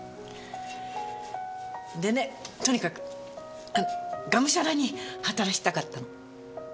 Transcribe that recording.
でねとにかくガムシャラに働きたかったの！